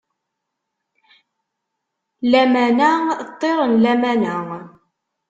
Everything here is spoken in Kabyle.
Lamana ṭṭir n lamana.